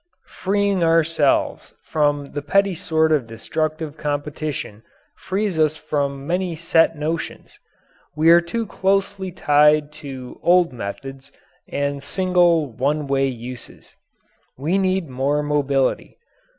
Freeing ourselves from the petty sort of destructive competition frees us from many set notions. We are too closely tied to old methods and single, one way uses. We need more mobility.